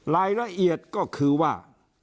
รายละเอียดก็คือว่า